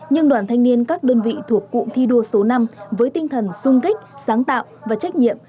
nhưng đoàn thanh niên các đơn vị thuộc cụm thi đua số năm với tinh thần sung kích sáng tạo và trách nhiệm